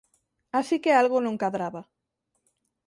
Así que algo non cadraba.